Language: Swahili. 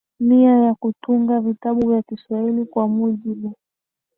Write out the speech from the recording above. nia ya kutunga vitabu vya Kswahili kwa mujibu